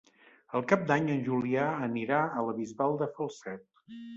Per Cap d'Any en Julià anirà a la Bisbal de Falset.